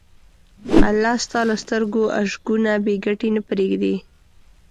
الله ستا له سترګو اشکونه بېګټې نه پرېږدي.